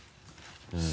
うん。